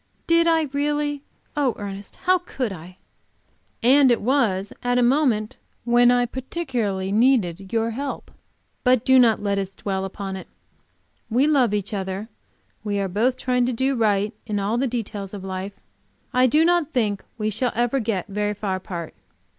"Did I, really? Oh, Ernest, how could I?" "And it was at a moment when I particularly needed your help. But do not let us dwell upon it. We love each other; we are both trying to do right in all the details of life. I do not think we shall ever get very far apart."